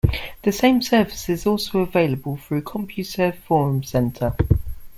The same service is also available through Compuserve Forum Center.